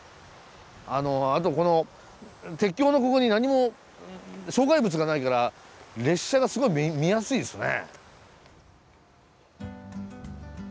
あのあとこの鉄橋のここに何も障害物がないから列車がすごい見やすいですね。